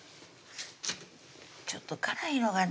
ちょっと辛いのがね